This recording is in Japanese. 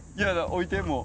置いてもう。